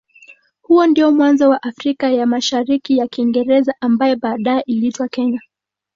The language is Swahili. Huo ndio mwanzo wa Afrika ya Mashariki ya Kiingereza ambaye baadaye iliitwa Kenya.